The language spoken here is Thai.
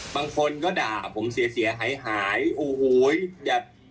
บางคนก็ด่าผมเสียหายโอ้โหย